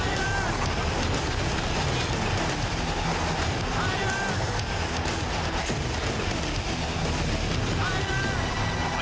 ไทยรัฐ